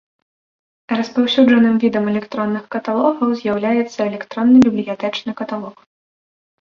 Распаўсюджаным відам электронных каталогаў з'яўляецца электронны бібліятэчны каталог.